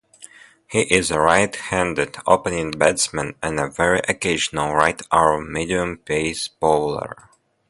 He is a right-handed opening batsman and a very occasional right-arm medium-pace bowler.